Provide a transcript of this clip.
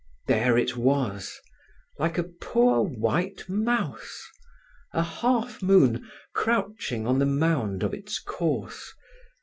There it was, like a poor white mouse, a half moon, crouching on the mound of its course.